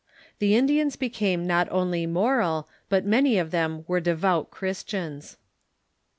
The Indians became not only moral, but many of them were devout Christians.